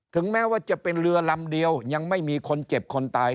แม้ว่าจะเป็นเรือลำเดียวยังไม่มีคนเจ็บคนตาย